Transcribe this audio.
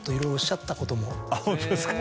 あっホントですか。